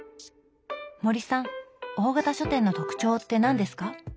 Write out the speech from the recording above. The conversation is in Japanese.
森さん大型書店の特徴って何ですか？